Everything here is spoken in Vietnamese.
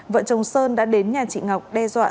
vợ chồng sơn đã đến nhà chị ngọc đe dọa